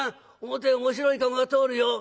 表に面白い駕籠が通るよ。